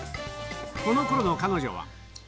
このころの彼女は。